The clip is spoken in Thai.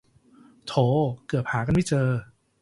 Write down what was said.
โถ เกือบหากันไม่เจอ